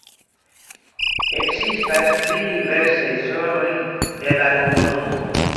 Ekzistas tri diversaj zonoj de la komunumo.